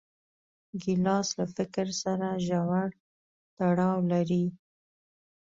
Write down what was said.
ګیلاس له فکر سره ژور تړاو لري.